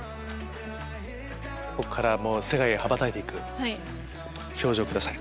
ここから世界へ羽ばたいて行く表情をください。